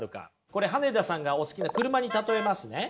これ羽根田さんがお好きな車に例えますね。